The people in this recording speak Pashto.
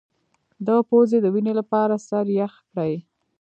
د پوزې د وینې لپاره سر یخ کړئ